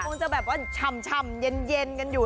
คงจะแบบว่าฉ่ำเย็นกันอยู่